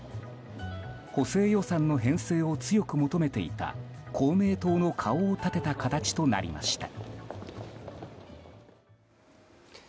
補正予算の編成を強く求めていた公明党の顔を立てた形となりました。